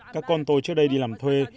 các con tôi trước đây đi làm thuê